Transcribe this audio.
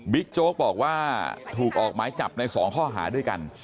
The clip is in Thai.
โจ๊กบอกว่าถูกออกหมายจับใน๒ข้อหาด้วยกัน